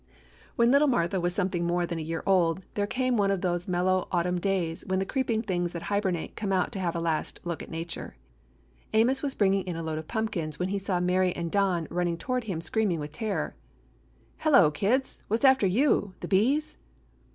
When little Martha was something more than a year old there came one of those mel low autumn days when the creeping things that hibernate come out to have a last look at nature. Amos was bringing in a load of pumpkins when he saw Mary and Don run ning toward him screaming with terror. "Hello, kids. What 's after you? The bees?"